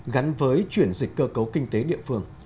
gắn với chuyển dịch cơ cấu kinh tế địa phương